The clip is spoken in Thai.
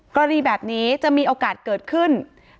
กรณีแบบนี้จะมีโอกาสเกิดขึ้น